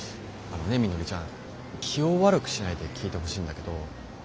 あのねみのりちゃん気を悪くしないで聞いてほしいんだけど。